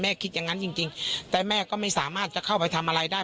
คิดอย่างนั้นจริงแต่แม่ก็ไม่สามารถจะเข้าไปทำอะไรได้